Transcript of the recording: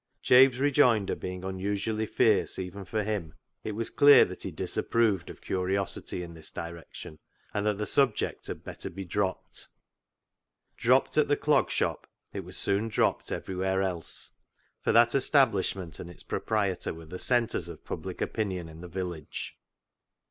Jabe's rejoinder being unusually fierce, even for him, it was clear that he disapproved of curiosity in this direction, and that the subject had better be dropped. Dropped at the Clog Shop, it was soon dropped everywhere else, for that establishment and its proprietor were the centres of public opinion in the village.